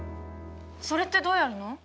それってどうやるの？